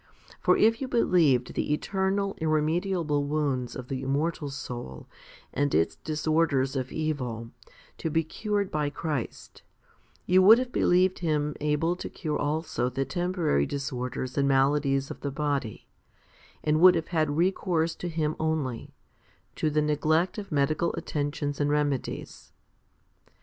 For if you believed the eternal, irremediable wounds of the immortal soul, and its disorders of evil, to be cured by Christ, you would have believed Him able to cure also the temporary disorders and maladies of the body, and would have had recourse to Him only, to the neglect of medical attentions and remedies.